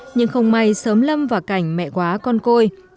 nhưng không may sớm lâm vào cảnh mẹ quá con côi